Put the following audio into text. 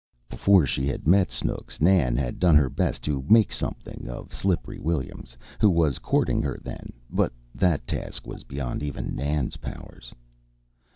Before she had met Snooks Nan had done her best to "make something" of "Slippery" Williams, who was courting her then, but that task was beyond even Nan's powers.